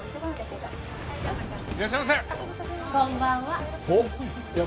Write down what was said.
こんばんは。